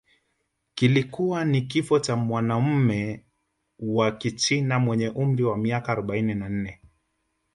kilikuwa ni kifo cha mwanamume wa Kichina mwenye umri wa miaka arobaini na nne